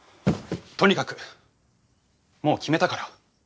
とにかくもう決めたから。